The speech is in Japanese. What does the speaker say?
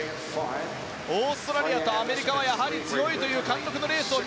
オーストラリアとアメリカはやはり強い貫禄のレース。